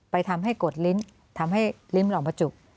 ไปทำให้กดลิ้นทำให้ลิ้นออกมาจุบ